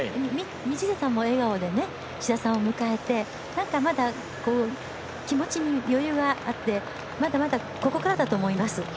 道下さんも笑顔で志田さんを迎えて気持ちに余裕があってまだまだここからだと思います。